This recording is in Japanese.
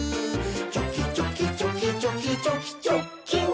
「チョキチョキチョキチョキチョキチョッキン！」